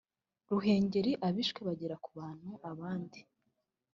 ruhengeri abishwe bagera ku bantu abandi